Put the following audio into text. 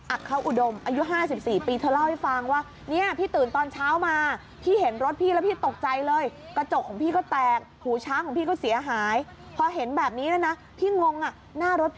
อักเข้าอุดมอายุห้าสิบสี่ปีเธอเล่าให้ฟังว่า